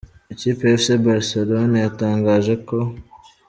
Ikipe ya Fc Barcelone yatangaje ko.